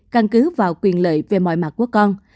căn cứ vào quyền lợi về mọi mặt của con